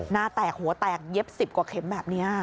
หน้าแตกหัวแตกเย็บ๑๐กว่าเข็มแบบนี้